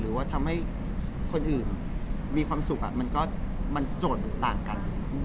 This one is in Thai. หรือว่าทำให้คนอื่นมีความสุขมันก็โจทย์มันต่างกัน